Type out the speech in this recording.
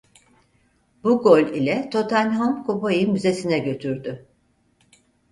Bu gol ile Tottenham kupayı müzesine götürdü.